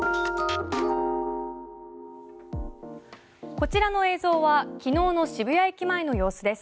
こちらの映像は昨日の渋谷駅前の様子です。